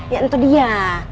ya itu dia